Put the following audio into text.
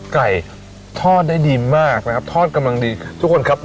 ไก่ทอดได้ดีมากนะครับทอดกำลังดีทุกคนครับ